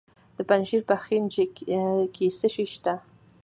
د پنجشیر په خینج کې څه شی شته؟